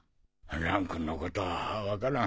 蘭君のことはわからん。